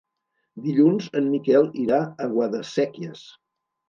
Dilluns en Miquel irà a Guadasséquies.